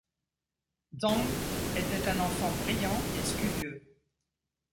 Zhang était, un enfant brillant et studieux.